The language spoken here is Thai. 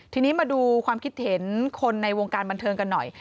ทีนี้มาดูความคิดเห็นคนในวงการบันเทิงกันหน่อย